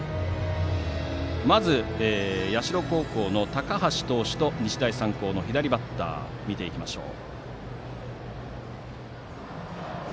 まず、社高校の高橋投手と日大三高の左バッターを見ていきましょう。